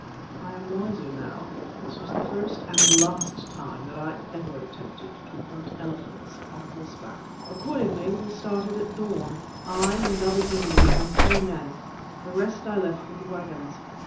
I am wiser now; this was the first and last time that I ever attempted to hunt elephants on horseback. Accordingly we started at dawn, I, Indaba zimbi, and three men; the rest I left with the waggons.